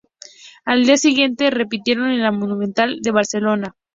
Al día siguiente repitieron en La Monumental de Barcelona.